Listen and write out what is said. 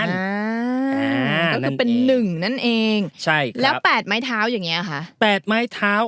อ๋อก็คือเป็นหนึ่งนั่นเองแล้วแปดไม้เท้าอย่างเงี้ยคะ